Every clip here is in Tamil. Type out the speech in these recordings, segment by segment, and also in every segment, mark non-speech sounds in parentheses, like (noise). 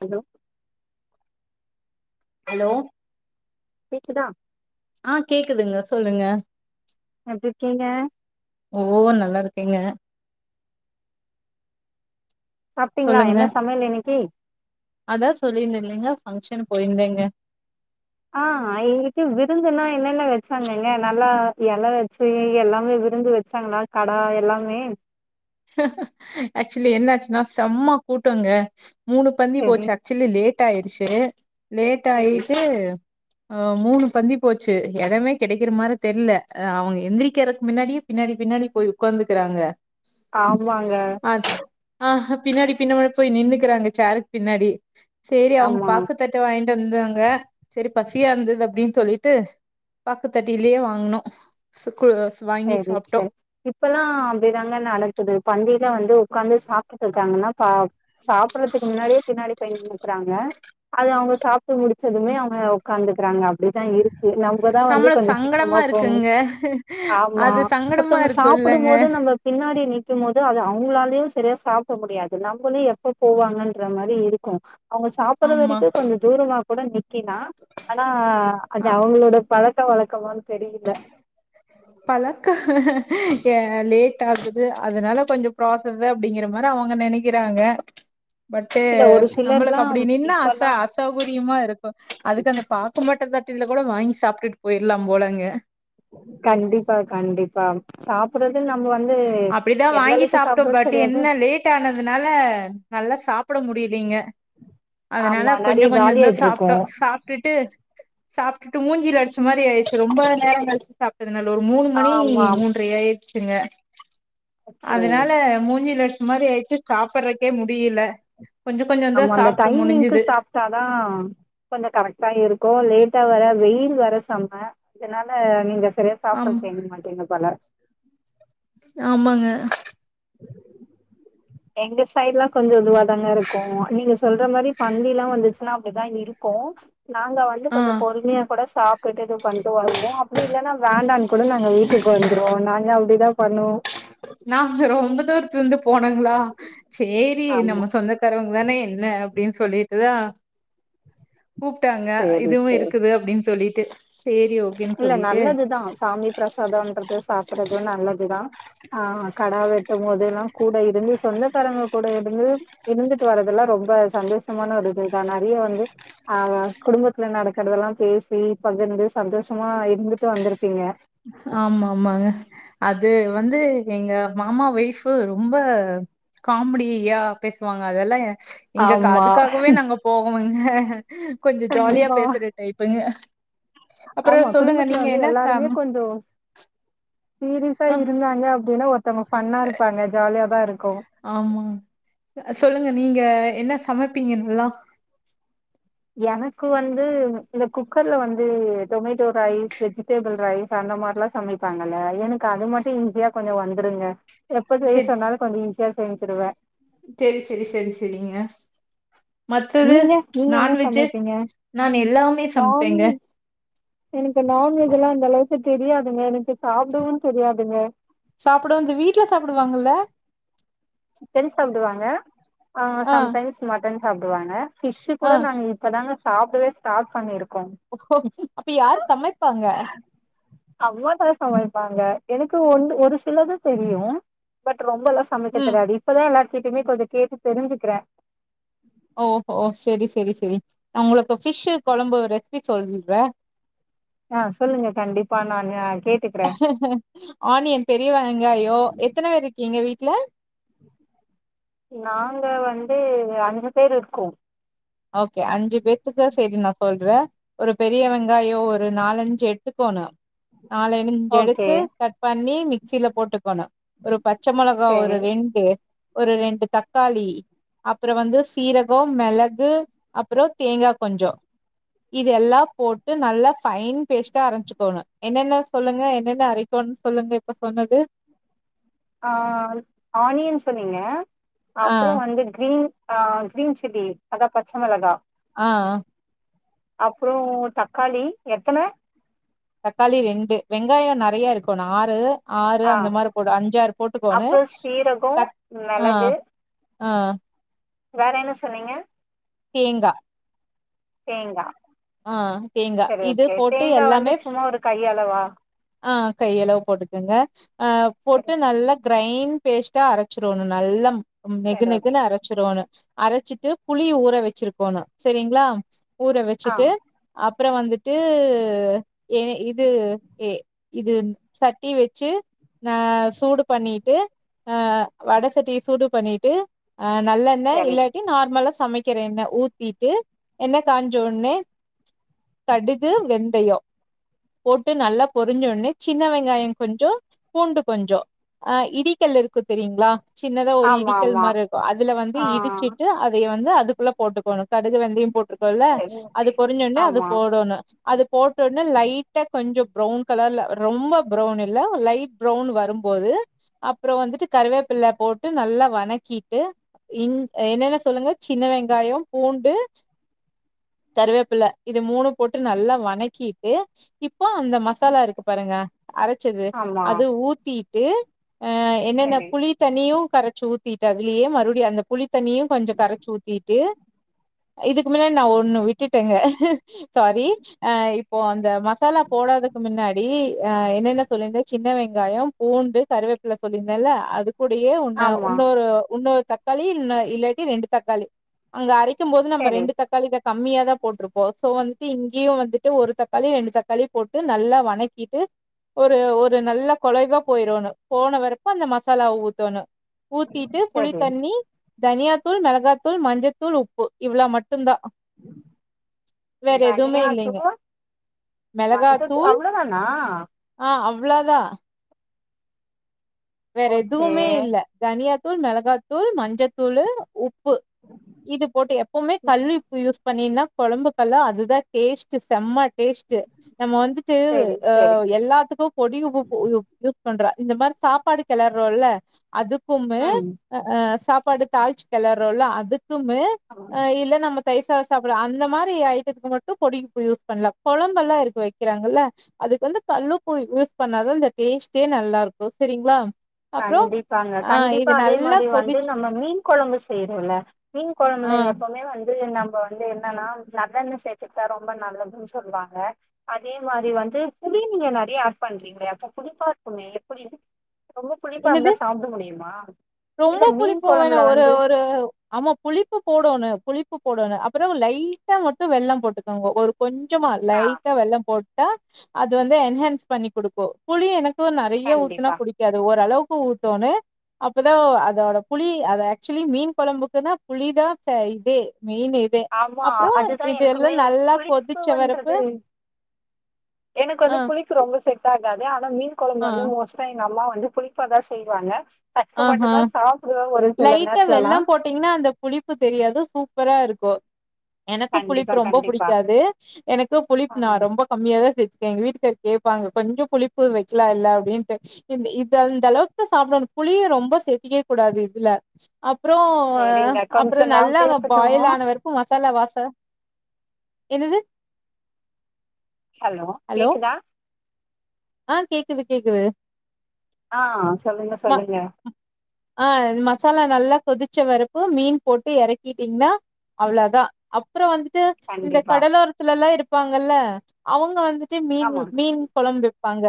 ஹலோ ஹலோ கேக்குதா குதுங்க சொல்லுங்க எப்டி இருக்கீங்க? கேங்க சாப்ட்டீங்களா சொல்லுங்க என்ன சமையல் இன்னைக்கி அதா சொல்லியிருந்தல்லெங்க ஃபங்ஷன் போயிருந்தேங்க ஆ இங்குக்கு விருந்துன்னா என்னன்ன வச்சாங்கங்க நல்லா எல வச்சு எல்லாமே விருந்து வச்சாங்ளா கடா எல்லாமே ஆக்சுவலி என்னாச்சுனா செம்ம கூட்டொங்க மூணு பந்தி சரி போச்சு ஆக்சுவலி லேட் டாயிருச்சு லேட் சரி ஆயிட்டு ஆ மூணு பந்தி போச்சு எடமே கிடைக்கிற மாரி தெர்ல அவுங்க எந்திரிக்கிறக்கு முன்னாடியே பின்னாடி பின்னாடி போய் உக்காந்துக்கிறாங்க ஆமாங்க ஆஹ பின்னாடி பின்னா போய் நின்னுக்கிறாங்க சேருக் பின்னாடி சேரி அவுங்க ஆமா பாக்குத்தட்ட வாங்கி ட்டுந்தாங்க செரி பசியா இருந்தது அப்டின் சொல்லிட்டு பாக்குத்தட்டிலயே வாங்னோ சு சேரி சேரி இப்பல்லா அப்டிதாங்க நடக்குது பந்தியில வந்து உக்காந்து சாப்ட்டுட்டு இருக்காங்கன்னா சா சாப்படறதுக்கு முன்னாடியே பின்னாடி போய் நின்னுக்குறாங்க. அது அவங்க சாப் ட்டு முடிச்சதுமே அவங்க உக்காந்து க்கிறாங்க அப்பிடிதா இருக்கு நம்பதா வந்து நம்மளுக்கு கொஞ்ச சீக்கிரமா சங்கடமா போகணு இருக்குங்க ஆமா அது சங்கடமா ஒருத்தவங்க இருக்கு சாப்புடும் இல்லங்க போது நம்ம பின்னாடி நி க்கும் போது அது அவங்களாலயு சரியா சாப்பட முடியாது நம்பளு எப்ப போவாங்கன்ற மாரி இருக்கு அவங்க சாப்பட்ற ஆமா வரைக்கு கொஞ்ச தூரமா கூட நி க்கிலா ஆனா அது அவங்களோட பழ க்க வழக்கமானு தெரியல பழக்கோ யா லேட் ஆகுது அதனால கொஞ்ச பிராசஸ அப்டிங்கற மாரி அவங்க நெனைக்கிறாங்க பட்டு இல்ல ஒரு சிலர்லா நம்மளுக்கு அப்பிடி நின்னா அச இப்பல்லா அசௌகரியமா இருக்கு அதுக்கு அந்த பாக்கு மட்ட தட்டுல கூட வாங்கி சாப்ட்டுட்டு போயிரலாம் போலங்க கண்டிப்பா கண்டிப்பா சாப்புடுறது ந அப்பிடிதா வாங்கி சாப்ட்டோ பட்டு் தெரியாது என்ன லேட் ஆனதுனால நல்லா சாப் பட முடியிலீங்க அதனால ஆமா கொஞ்ச நெறைய காலி கொஞ்சந்தா ஆயிட்டு இருக்கோ சாப்ட்டோ சாப்ட்டுட்டு சாப்ட்டுட்டு மூஞ்சில அடிச்ச மாரி ஆயிருச்சு ரொம்ப நேரோ கழிச்சு சாப்ட்டு அதனால ஒரு மூணு மணி ஆமா மூன்ரை ஆயிரு ச்சுங்க அச்சோ அதனால மூஞ்சில அடிச் ச மாரி ஆயிட்ச்சு சாப்படறக்கே முடியல கொஞ்ச கொஞ்சந்தா ஆமா அந்த சாப்ட்டு டைமிங்க்கு முடிஞ்சுது சாப்ட்டாதா கொஞ்ச கரெக்டா இருக்கு லேட்டா வர வெயில் வர செம அதனால நீங்க சரியா ஆமா சாப்படறதுக்கு ஏங்க மாட்டீங்க போல ஆமாங்க எங்க சைடுலா கொஞ்ச இதுவா தாங்க இருக்கு நீங்க சொல்ற மாரி பந்திலா வந்துச்சுனா அப்டிதா இருக்கு நாங்க வந்து ஆ கொஞ்ச பொறுமையா கூட சாப் கொட்டது பண்ணிட்டு வருவோ அப்டி இல்லன்னா வேண்டான் கூட நாங்க வீட்டுக்கு வந்துருவோ நாங்க அப்டிதா பண்ணுவோ ந வந்து ரொம்பதூர் (unintelligible) போனாங்களா சேரி ஆமா நம்ம சொந்தக்காரவங்க தானே என்ன அப்டின்னு சொல்லிட்டுதா கூப்ட்டாங்க சேரி இதுவு சேரி இருக்குது அப்டின்னு சொல்லிட் ட்டு இல்ல நல்லதுதா சாமி பிரசாதம்ன்றது சாப்பறது நல்லதுதா ஆ கடா வெட்டு போது இதெல்லா கூட இருந்து சொந்தக்காரங்க கூட இருந்து இருந்துட்டு வரறதெல்லா ரொம்ப சந்தோஷமான ஒரு இ தா நெறைய வந்து ஆ குடும்பத்துல நடக்கறதெல்லா பேசி பகிர்ந்து சந்தோஷ கமா இருந்துட்டு வந்திருப்பீங்க ஆமா ஆமாங்க அது வந்து எங்க மாமா ஓய்ஃபு ரொம்ப காமிடியா பேசுவாங்க அதெல்லா இங்கக் ஆமா அதுக்காகவே நாங்க போகோ உங் க க கொஞ்ச ஜாலியா கண்டிப்பா பேசுற டைப் ங்க ஆமா குடும்பத்துல வந்து சம் எல்லாருமே கொஞ்சோ சீரிசா இருந்தாங்க அப்டின்னா ஒருத் அ ஆமா சொல்லுங்க நீங்க என்ன சமப்பீங்கன்லா எனக்கு வந்து இந்த குக்கர்ல வந்து டொமேட்டோ ரைஸ் வெஜிடெபிள் ரைஸ் அந்த மாதிரில்லா சமைப்பாங்கல்ல எனக்கு அது மட்டு ஈஸியா கொஞ்ச வந்துருங்க எப்ப செய்ய சொன்னாலு கொஞ்ச ஈசியா செஞ்சுடுவ செரி செரி செரி செரிங்க நீங்க நீங்க என்ன சமப்பீங்க நான் எல்லாமே சமைப்பேங்க. நான்வெஜ் எனக்கு நான்வெஜ் எல்லா அந்த அளவுக்கு தெரியாதுங்க எனக்கு சாப்பிடவு தெரியாதுங்க சாப்பிடவு இந்த வீட்ல சாப்பிடுவாங்கல தென் சாப்பிடுவாங்க ஆ சம்டைம்ஸ் மட்டன் சாப்புடுவாங்க ஃபிஷ் ஆ. கூட நாங்க இப்பதாங்க சாப்டவே ஸார்ட் பண்ணிருக் அப்போ அப்ப யார் சமைப்பாங்க அவமா தா சமைப்பாங்க எனக்கு ஒ ஒரு சிலது தெரியு பட் ரொம்பலா சமை ம். ரதி இப்பதா எல்லாத் ட்டுமே கொஞ்ச கேட்டு தெரிஞ்சுக்கிறே ஓ கோ சரி சரி சரி உங்களுக்கு ஃபிஷ் குழம்பு ரெசிபி சொல்லிட்ற ஆ சொல்லுங்க கண்டிப்பா நானு ஆ கேட்டுக்கிறே ஆனியன் பெரிய வெங்காயோ எத்தன பேர் இருக்கீங்க வீட் ஏ நாங்க வந்து அஞ்சு பேர் இருக்கோ ஓகே அஞ்சு பேத்துக்கு சரினா சொல்றே ஒரு பெரிய வெங்காயோ ஒரு நாலஞ்சு எடுத்துக்கணு நாலு அஞ்ச ஓகே எடுத்து கட் பண்ணி மிக்சில போட்டுக்கணு ஒரு பச்ச மிளகா ஒரு சரி ரெண்டு ஒரு ரெண்டு தக்காளி அப்புற வந்து சீரகம் மிளக் து அப்புறோ தேங்கா கொஞ்சோ இதெல்லா போட்டு நல்லா ஃபைன் பேஸ்டா அரைச்சிக்கோனு என்னென்ன சொல்லுங்க என்னென்ன அரைக்கனும்னு சொல்லுங்க இப்ப சொன்னது ஆ ஆனியன் சொன்னீங்க ஆ அப்புற வந்து கிரீன் ஆ கிரீன் சில்லி அதா பச்ச மிளகா ஆ அப்புறோ தக்காளி எத்தன தக்காளி ரெண்டு வெங்காயோ நறைய இருக்கனு ஆறு ஆறு ஆ அந்த மாரி போடு அஞ்சாறு போட்டுக்கணு அப்றோ சீரகோ தக் ஆ மெளகு ஆ வேற என்ன சொன்னீங்க தேங்கா தேங்கா ஆ தேங்கா சரி இது போட்டு எல்லாமே ஸ் அலவா ஆ கை அளவு போட்டுக்கங்க ஆ சரி போட்டு நல்லா க ஃபைன் பேஸ்ட்டா அரைச்சிரணு நல்ல உ நெகு சரி ஓகே நெகுன்னு அரைச்சிரனு அரைச்சிட்டு புளிய ஊற வச்சிருக்கோணு சேரிங்களா ஊர ஆ வச்சிட்டு அப் அப்புறோவந்துட்டு ஏ இது ஏ இது சட் ட்டி வச்சு ஆ சூடு பண்ணிட்டு அ வட சட்டிய சூடு பண்ணிட்டு ஆ நல்லெண்ண சரி இல்லாட்டி நார்மலாஸ் சமைக்கிற எண்ண ஊத்திட்டு எண்ண காஞ்சோனே கடுகு வெந்தயோ போட்டு நல்லா பொரிஞ்ச ஒன்னே சின்ன வெங்காயோ கொஞ்சோ பூண்டு கொஞ்சோ அ இடிக்கல் இருக்கு தெரியுங்களா சின்னதா ஒரு ஆமா இடிக்கல் ஆமா மாரி இருக்கு அதுல வந்து ஆ இடிச்சிட்டு அதையே வந்து துக்குள்ள போட்டுக்கணு கடுகு வெந்தயம் போட்றுக்கோல சரி ஓகே அது பொரிஞ்சோனே அது ஆமா போடணு அது போட்டோனே லைட்டா கொஞ்சோ ப்ரௌன் கலர்ல ரொம்ப ப்ரௌன் இல்ல லைட் ப்ரௌன் வரும்போது அப்புறோ வந்துட்டு கருவேப்பில போட்டு நல்லா வணக்கிட்டு என்னென்ன சொல்லுங்க சின்ன வெங்காயோ பூண்டு கருவேப்பில இது மூணு போட்டு நல்லா வணக்கிட் ஏ இப்போ அந்த மச் சாலா இருக்கு பாருங்க அரைச்சது ஆமா அது ஊத்தி து ஆ என்னன சரி புளி தண்ணியு கரச்சு ஊத்திட்டு அதுலியே மறுபடி அந்த புளி தண்யு கொஞ்ஜ கரச்சி ஊத்திட்டு இதுக்கு முன்னாடி நா ஒண்ணு விட் ட்டுட்டங்க சாரி ஆ போஆன் ந்த மசாலா போடாத க்கு முன்னாடி அ என்னென்ன சொல்லிருந்தே சின்ன வெங் ங்காயோ பூண்டு கருவேப்பில சொல்லிருந்தேன்ல அதுக் கூடியே உன்ன ஆமா உன்னொரு உன்னொர் தக்காளி ல்னா இல்லாட்டி ரெண்டு தக்காளி அங்க அரைக் ம்போது நம்ம சரி ரெண்டு தக்காளி தாங் கம்மியா தா போட்ருப்போ சோ வந்துட்டு இங்கேயு வந்துட்டு ஒரு தக்காளி ரெண்டு தக்காளி போட்டு டு நல்லா வணக்கிட்டு ஒரு ஒரு நல்ல கொலைவா போய்றோணு போன வெரைக்கு அந்த மசாலா ஊத்தோணு ஊத்திட்டு புளி சரி தண்ணி தனியாத்தூள், மெளகாத்தூள், மஞ்சத்தூள், உப்பு இவ்ளோ மட் டுந்தா வேற எதுவ்மே தனியா இல்லைங்க மெளகா தூள் அவ்ளதானா அவ்ள தா வேற ஓகே எதுவுமே இல்ல தனியா தூள், மெளகாதூள், மஞ்சத்தூளு, உப் பு இது போட்டு எப்பவ்மே கல் உப்பு யூஸ் பண்ணினா கொழம்புக்கல்லா அதுதா டேஸ்ட்டு செம்ம டேஸ்டடு நம்ம வந்துட்டு சரி ஆ சரி எல்லாத்துக்கு பொடி உப்பு போ (unintelligible) பண்ற இந்த மாரி சாப் பாடு கெளர்றோல்ல அது (unintelligible) ம் அ அ சாப் பாடு தாளிச்சு கெளர்றோல அதுக்குமே ஆமா. அ இல்ல நம்ம தயிர் சாத சாப்புட அந்த மாரி ஐட்டத்துக்கு மட்டு பொடி உப்பு யூஸ் பண்லா கொழம்பெல்லா இருக்கு வக்கிறாங்கல்ல அதுக்கு வந்து கல்லுப்பு யூஸ் பண்ணாதா அந்த டேஸ்ட்டே நல்லாருக்கு செரிங் ளா கண்டிப்பாங்க கண்டிப்பா அதே மாரி வந்து கொதிச்சு நம்ம மீன் கொழம்பு செய்றோல்ல மீன் ஆ கொழம்புல எப்பவ்மே வந் து நம்ப வந்து என்னனா நல்லெண்ண சேத்துக்டா ரொம்ப நல்லதுன் சொல்வாங்க அதே மாரி வந்து புளி நீங்க நறைய ஆட் பண்றீங்க அப்ப புளிப்பா இருக்குமே எப்புடி ரொம்ப புளிப்பா என்னது இருந்தா சாப்ட முடியுமா? ரொம்ப இல்ல மீன் புளிப்பு வேணா கொழம்புல ஒரு வந்து ஒரு ஆமா புளிப்பு போடனு புளிப்பு போடனு அப்பனா லைட்டா மட்டு வெல்லம் போட்டுக்கோங்க ஒரு கொஞ்சமா ஆ லைட்டா வெல்லம் போட் டா அது வந்து என்ஹான்ஸ் பண்ணி குடுக்கு புளி எனக் கு நறைய ஊத்துனா கண்டிப்பா புடிக்காது ஓரளவு க்கு ஊத்தோனு அப் பதா அத அத புளி அது ஆக்சுவலி மீன் கொழம்புக்குன்னா புளிதா ஃப இதே மெயின் இதே ஆமா அப்புறோ அதுதா இதெல்லா எனக்குமே நல்லா புளிப்பு கொதிச்ச வரப்பு வன்றது எனக்கு ஆ வந்து புளிப்பு ரொம்ப செட்டாகா து மீன் கொழம்பு ஆ வந்து மோஸ்டா எங்கம்மா வந்து புளிப்பாதா செய்வாங்க ஆஹா கஷ்டப்பட்டுதா சாப்டுவே ஒரு சில லைட்டா நேரத்துலலா வெல்லம் போட்டீங்கன்னா அந்த புளிப்பு தெரியாது சூப்பரா இருக்கு எனக்கு புளிப்பு கண்டிப்பா ரொம்ப கண்டிப்பா புடிக்காது எனக்கு ஆ புளிப் நா ரொம்ப கம்மியா தா சேத் எங்க வீட்டுக்காரு கேப்பாங்க கொஞ்ச புளிப்பு வைக்கலாமா இல்ல அப்டின்னுட்டு இது இந்த அளவுக்கு சாப்பிடனு புளிய ரொம்ப சேத்திக்க கூடாது இதுல அப்றோ சேரிங்க அப்புற கொஞ்ச நா நல்லா பேசட்டுமா பாயில் ஆனவரைக்கு மசாலா வாச அ என்னது ஹலோ கேக்குதா ஆ கேக்குது கேக்குது ஆ சொல்லுங்க ம சொல்லுங்க ஆ மசாலா நல்லா கொதிச்ச வறப்போ மீன் போட்டு இறக்கிட்டீங்கன்னா அவ்ளோ தா அப்றம் வந்து ட்டு இந்த கண்டிப்பா கடலோரத்துல எல்லா இருப் இருப்பாங்கல்ல அவுங்க வந்து த்து மீன் ஆமா மீன் கொழம்பு பாங்க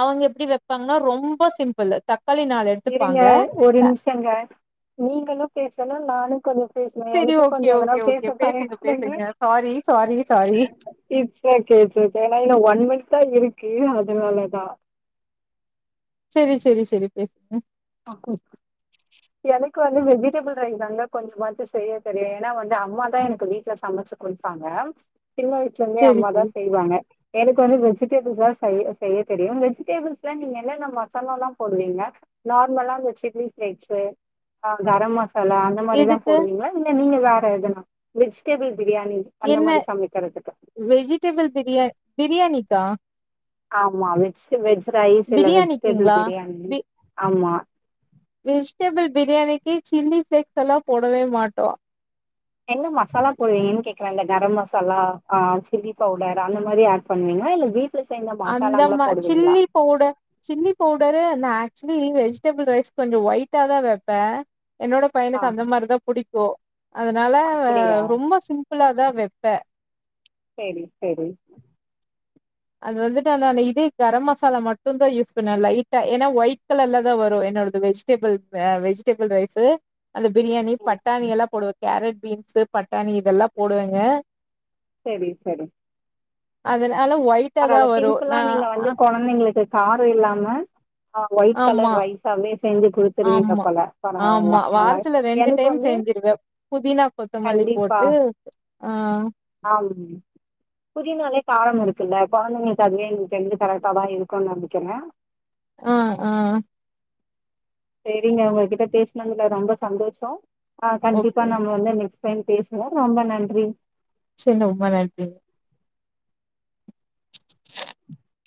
அவுங்க எப்டி வப்பாங்கன்னா ரொம்ப சிம்பிள் தக் இருங்க ஒரு நிமிஷங்க நீங்களு பேசணு நானு கனு பேசுனே செரி எனக்கு ஓகே கொஞ்ச ஓகே ஓகே பேசுங்க பேசுங்க (unintelligible) sorry sorry sorry it's okay it's okay (unintelligible) இத்தா இருக்கு அதனாலதா செரி செரி செரி பேசுங்க அஃகு எனக்கு வந்து விஜிடபிள் ரைஸ் தாங்க கொஞ்சமாச்சு செய்ய தெரியு ஏன்னா வந்து அம்மா தா எனக்கு வீட்ல சமச்சு குடுப்பாங்க சின்ன வயசுலே இந்தே செரி அம்மா தா செரி செய்வாங்க எனக்கு வந்து வெஜ் விஜிடேபிள்ஸ் எல்லா செய்ய தெரியு விஜிடேபிள்ஸ்லா நீங்க என்ன என்ன மசாலா எல்லா போடுவீங்க நார்மலா அந்த சில்லிப்ரைஸ்டு ஆ கர மசா தலா அந்த மாரிதா இதுக்கு போடுவீங்களா இல்ல நீங்க வேற எதுனா விஜ்டேபிள் என்ன வெஜிடபிள் பிரியா பிரியாணி டா ஆமா மிக்ஸ் வெஜ் ரைஸ் இல்ல விஜ்டேபிள் பிரியாணிக்குங்களா பிரியாணி ஆமா விஜ்டேபிள் பிரியாணிக்கு சில்லி பிளேக்ஸ்ல்லா‌ போடவே மாட்டோ என்ன மசாலா போடுவீங்கே கேக்குறாங் இந்த கர மசாலா ஆ சில்லி பவுடர் அந்த மாரி அட் பண்ணுவீங்களா இல்ல வீட் அந்த மா சில்லி பவுடர் சில்லி பவுடரு அந்த ஆட் அச்சுவலி வெஜிடெபிள் ரைஸ் கொஞ்சொ ஒயிட்டா தா வப்பே என்னோட ஆ பையனுக்கு அந்த மாரி தா புடிக்கு போ அதனால அப்படியா ரொம்ப சிம் ப்ளாதா வெப்பே செரி செரி அது வந்துட்டு அந்த இதே கரமசாலா மட்டு தா யூஸ் பண்ணுவே லைட்டா ஏன்னா ஒயிட் கலர்ல தா வரு என்னோடது வெஜிடபிள் வெஜிடபிள் ரைஸ்ஸு அந்த பிரியாணி பட்டாணி எல்லா போடுவே கரட் பீன்ஸ் பட்டாணி இதெல்லா போடுவேங்க செரி சரி அதுனால பரவால்ல சிம்பிளா நீங்க வந்து குழந்தைங்களுக்கு காரோ இல்லாம ஆ ஒய்ட் ஆமா கலர் ரைஸ் ஆவே ஆமா ஆமா நல்லா வாரத்துல ரெண்டு எனக்கு டைம் வந்து செஞ்சிருவே புதினா கொத்தமல்லி கண்டிப்பா போட்டு ஆ ஆம் புதினாலே காரோ இரு குல்ல இப்ப வந்து கொழந்தைளுக்கு அதுவேங்க தெஞ்ச கரெக்டா தா இருக்குனு நனைக்கிறே ஆ ஆ செரிங்க உங்ககிட்ட பேசினதுல ரொம்ப சந்தோஷோ ஆ கண்டிப்பா ஓகே. நம்ம வந்து நெஸ் ஃபைன் பேசுனோ ரொம்ப நன்றி சரி ரொம நன்றிங்க